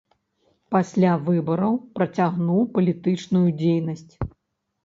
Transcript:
Пасля выбараў працягнуў палітычную дзейнасць.